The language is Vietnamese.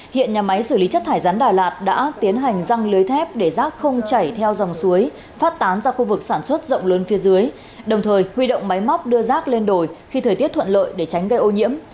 hiện nhà máy xử lý chất thải rắn đà lạt đã tiến hành răng lưới thép để rác không chảy theo dòng suối phát tán ra khu vực sản xuất rộng lớn phía dưới đồng thời huy động máy móc đưa rác lên đồi khi thời tiết thuận lợi để tránh gây ô nhiễm